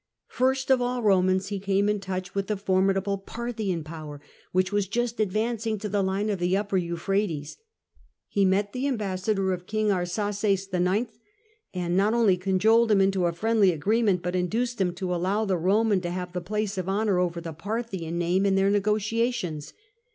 First of all Eomans he came in touch with the formidable Parthian power, which was just advancing to the line of the Upper Euphrates. He met the ambas sador of King Arsaces IX., and not only cajoled him into a friendly agreement, but induced him to allow the Eoman to have the place of honour over the Parthian name in their negotiations.